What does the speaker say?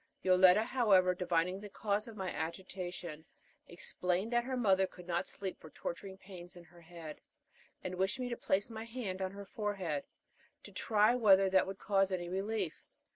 Yoletta, however, divining the cause of my agitation, explained that her mother could not sleep for torturing pains in her head, and wished me to place my hand on her forehead, to try whether that would cause any relief.